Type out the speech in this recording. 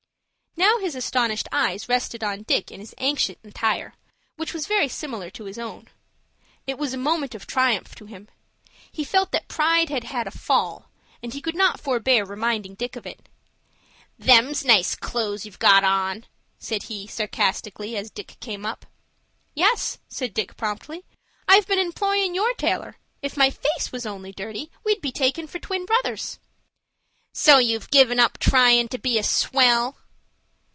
Now his astonished eyes rested on Dick in his ancient attire, which was very similar to his own. It was a moment of triumph to him. He felt that "pride had had a fall," and he could not forbear reminding Dick of it. "Them's nice clo'es you've got on," said he, sarcastically, as Dick came up. "Yes," said Dick, promptly. "I've been employin' your tailor. If my face was only dirty we'd be taken for twin brothers." "So you've give up tryin' to be a swell?"